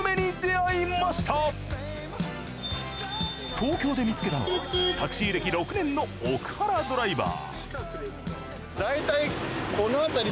東京で見つけたのはタクシー歴６年の奥原ドライバー。